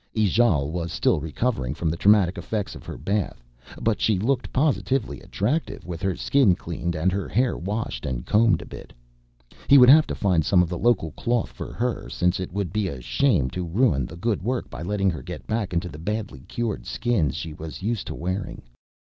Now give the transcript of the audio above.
Ijale was still recovering from the traumatic effects of her bath, but she looked positively attractive with her skin cleaned and her hair washed and combed a bit. He would have to find some of the local cloth for her since it would be a shame to ruin the good work by letting her get back into the badly cured skins she was used to wearing.